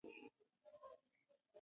انارګل په خپل اوږد لرګي باندې تکیه وکړه.